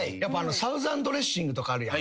サウザンドレッシングとかあるやん。